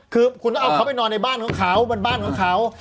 คือคุณต้องเอาเขาไปนอนในบ้านของเขาเป็นบ้านของเขา